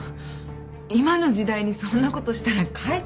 今の時代にそんなことしたらかえって。